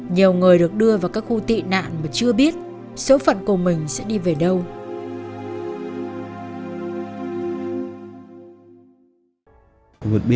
nhiều người được giữ tại trại giam edc